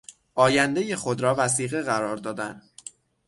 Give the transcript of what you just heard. آیندهی خود را وثیقه قرار دادن